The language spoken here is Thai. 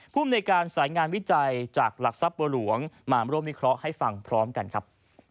ภูมิในการสายงานวิจัยจากหลักทรัพย์บัวหลวงมาร่วมวิเคราะห์ให้ฟังพร้อมกันครับ